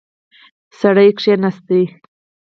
سړی کښیناست.